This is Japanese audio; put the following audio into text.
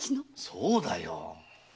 そうだよ。